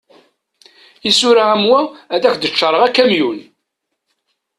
Isura am wa, ad ak-d-ččareɣ akamyun.